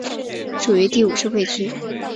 属于第五收费区。